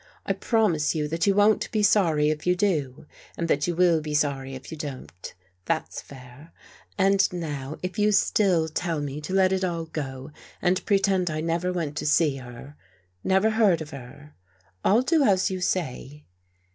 I promise you that you won't be sorry if you do, and that you will be sorry if you don't. That's fair. And now, if you still tell me to let it all go and pretend I never went to see her — never heard of her. I'll do as you say."